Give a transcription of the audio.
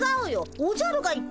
おじゃるが言ったんだよ。